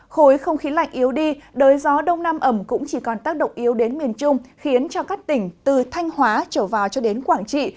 khối không khí lạnh yếu đi đới gió đông nam ẩm cũng chỉ còn tác động yếu đến miền trung khiến cho các tỉnh từ thanh hóa trở vào cho đến quảng trị